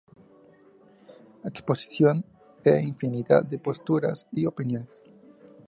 Exposición a infinidad de posturas y opiniones